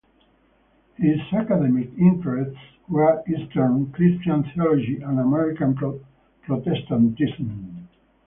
His academic interests were Eastern Christian Theology and American Protestantism.